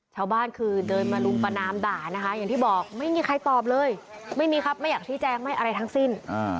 ชาวบ้านคือเดินมารุมประนามด่านะคะอย่างที่บอกไม่มีใครตอบเลยไม่มีครับไม่อยากชี้แจงไม่อะไรทั้งสิ้น